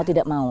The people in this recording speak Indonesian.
oh tidak mau